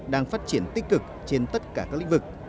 đang phát triển tích cực trên tất cả các lĩnh vực